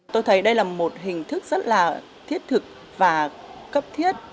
tôi thấy đây là một hình thức rất là thiết thực và cấp thiết